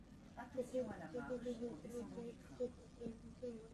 প্রথমে সিদ্ধান্ত নেয়া হয়েছিল যে, প্রতি দুই বছর অন্তর প্রতিযোগিতাটি অনুষ্ঠিত হবে।